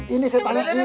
ini setan ini